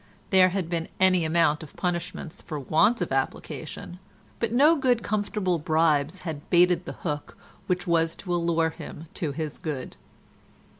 There had been any amount of punishments for want of application, but no good comfortable bribes had baited the hook which was to allure him to his good.